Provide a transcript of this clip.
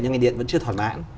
những ngành điện vẫn chưa thỏa mãn